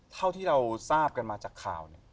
เท่าที่เราทราบกันมาจากข่าวเนี่ย